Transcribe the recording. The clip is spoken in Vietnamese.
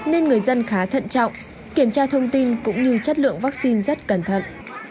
nên người dân khá thận trọng kiểm tra thông tin cũng như chất lượng vaccine rất cẩn thận